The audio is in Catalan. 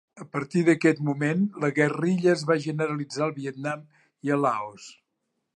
A partir d'aquest moment, la guerrilla es va generalitzar al Vietnam i a Laos.